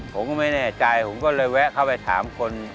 ผมก็ไม่แน่ใจผมก็เลยแวะเข้าไปถามคน